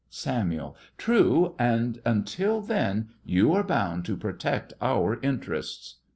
SAMUEL: True, and until then you are bound to protect our interests.